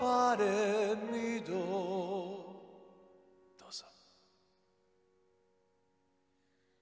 どうぞ。